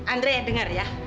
andre dengar ya